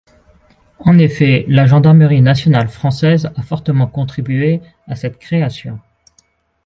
En effet, la gendarmerie nationale française a fortement contribué à cette création.